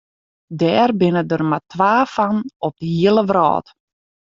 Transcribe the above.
Dêr binne der mar twa fan op de hiele wrâld.